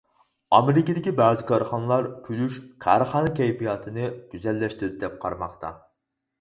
ئامېرىكىدىكى بەزى كارخانىلار «كۈلۈش كارخانا كەيپىياتىنى گۈزەللەشتۈرىدۇ» دەپ قارىماقتا.